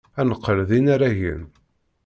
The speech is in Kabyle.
Ad neqqel d inaragen.